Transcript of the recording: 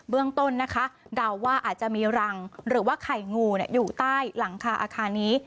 เรื่องต้นนะคะเดาว่าอาจจะมีรังหรือว่าไข่งูอยู่ใต้หลังคาอาคารนี้